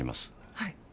はい。